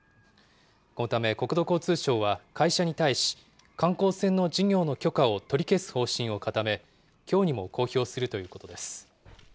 このため国土交通省は会社に対し、観光船の事業の許可を取り消す方針を固め、きょうにも公表するということです。